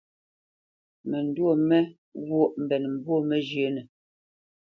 Məndwô mé ghwôʼ mbénə̄ mbwô məzhə́nə.